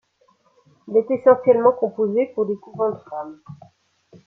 Il est essentiellement composé pour des couvents de femmes.